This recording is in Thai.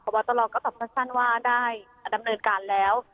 วัตรก็ตอบสั้นว่าได้ดำเนินการแล้ว